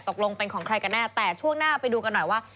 ตกลงเป็นของใครกันแน่แต่ช่วงหน้าไปดูกันหน่อยว่า